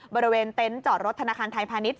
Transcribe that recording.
บริเวณเต็นต์จอดรถธนาคารไทยพาณิชย